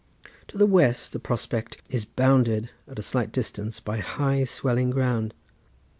To the west the prospect is bounded, at a slight distance, by high, swelling ground.